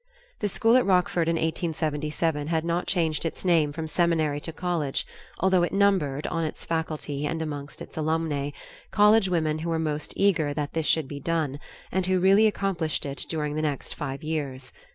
The school at Rockford in 1877 had not changed its name from seminary to college, although it numbered, on its faculty and among its alumnae, college women who were most eager that this should be done, and who really accomplished it during the next five years.